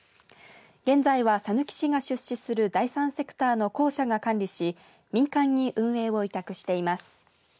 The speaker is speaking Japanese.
現在はさぬき市が出資する第三セクターの公社が管理し民間に運営を委託しています。